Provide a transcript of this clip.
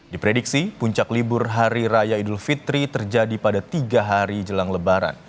diprediksi puncak libur hari raya idul fitri terjadi pada tiga hari jelang lebaran